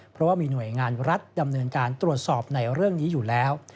เพราะว่ามีหน่วยงานรัฐดำเนินการตรวจสอบในเรื่องนี้อยู่แล้ว